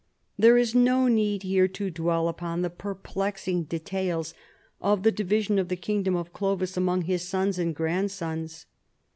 There is no need here to dwell upon the perplexing details of the division of the kingdom of Clovis among his sons and grandsons.